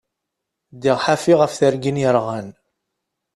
Ddiɣ ḥafi ɣef tergin yerɣan.